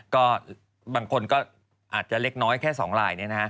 ก็บางคนก็อาจจะเล็กน้อยแค่๒ลาย